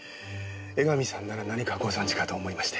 江上さんなら何かご存じかと思いまして。